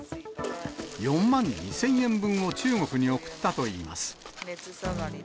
４万２０００円分を中国に送ったといいます。